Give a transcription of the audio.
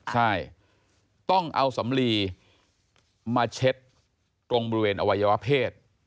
ใช่ต้องเอาสำลีมาเช็ดตรงบริเวณอวัยวะเพศ